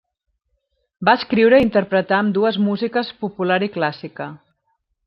Va escriure i interpretar ambdues músiques popular i clàssica.